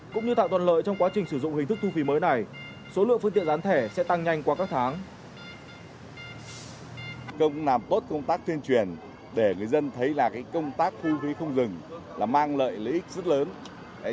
cũng như tạo toàn lợi trong quá trình sử dụng hình thức thu phí mới này